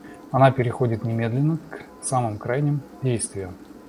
Она переходит немедленно к самым крайним действиям.